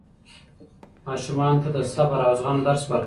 ماشومانو ته د صبر او زغم درس ورکړئ.